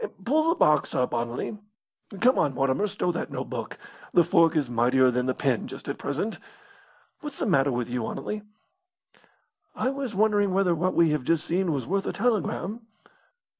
Pull the box up, Anerley. Come on, Mortimer, stow that notebook! The fork is mightier than the pen just at present. What's the matter with you, Anerley?" "I was wondering whether what we have just seen was worth a telegram."